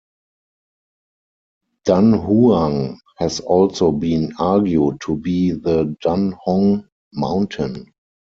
"Dunhuang" has also been argued to b the Dunhong mountain.